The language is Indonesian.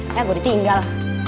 ya gue ditinggal